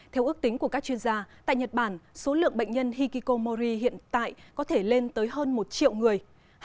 theo ước tính của các chuyên gia tại nhật bản số lượng bệnh nhân hikikomori hiện tại có thể lên tới hơn một triệu người